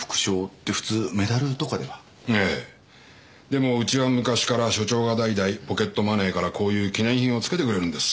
でもうちは昔から署長が代々ポケットマネーからこういう記念品をつけてくれるんです。